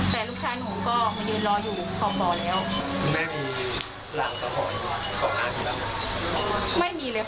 แต่แม่งอาหารพังนี้แล้วจะเห็นและเกิดที่๖นาทีแล้ว